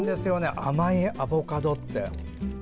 甘いアボカドって。